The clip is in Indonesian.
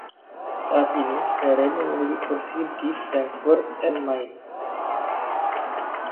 Saat ini, Verein memiliki kursi di Frankfurt am Main.